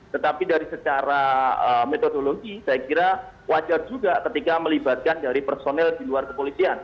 tetapi dari secara metodologi saya kira wajar juga ketika melibatkan dari personel di luar kepolisian